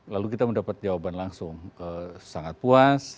lalu kita mendapat jawaban langsung sangat puas